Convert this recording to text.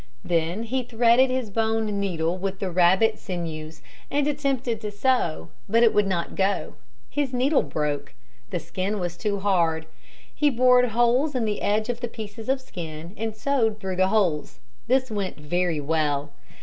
Then he threaded his bone needle with the rabbit sinews and attempted to sew, but it would not go. His needle broke. The skin was too hard. He bored holes in the edge of the pieces of skin and sewed through the holes. This went very well.